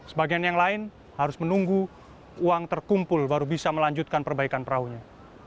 sebagian yang lain harus menunggu uang terkumpul baru bisa melanjutkan perbaikan perahunya